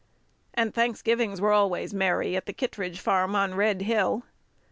And Thanksgivings were always merry at the Kittredge farm on Red Hill.